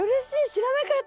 知らなかった！